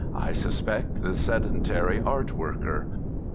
I suspect the sedentary art worker.